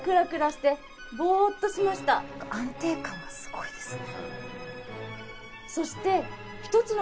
安定感がすごいですね。